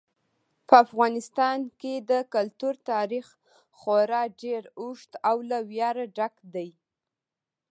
په افغانستان کې د کلتور تاریخ خورا ډېر اوږد او له ویاړه ډک دی.